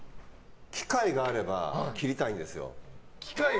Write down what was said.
機会があれば切りたいんですよ。